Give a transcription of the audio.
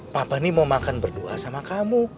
papa nih mau makan berdua sama kamu